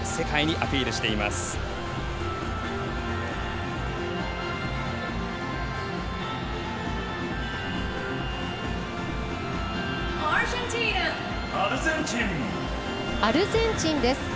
アルゼンチンです。